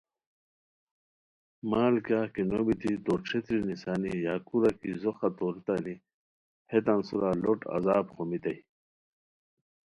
مال کیاغ کی نو بیتی تو ݯھیترینیسانی یا کورا کی ځوخہ تورتانی ہتیتان سورا لوٹ عذاب خومیتائے